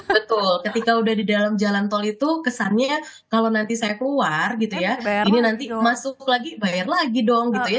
betul ketika udah di dalam jalan tol itu kesannya ya kalau nanti saya keluar gitu ya ini nanti masuk lagi bayar lagi dong gitu ya